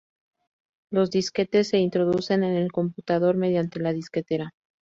Los disquetes se introducen en el computador mediante la disquetera.